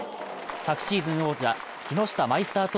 昨シーズン王者・木下マイスター